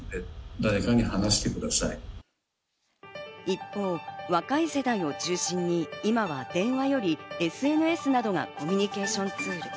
一方、若い世代を中心に今は電話よりＳＮＳなどがコミュニケーションツール。